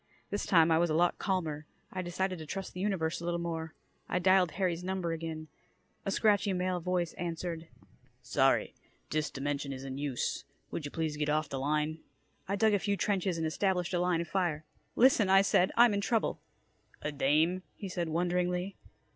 This time I was a lot calmer. I decided to trust the universe a little more. I dialed Harry's number again. A scratchy male voice answered: "Sorry, dis dimension is in use. Would ya please get off da line?" I dug a few trenches and established a line of fire. "Listen," I said. "I'm in trouble." "A dame," he said wonderingly.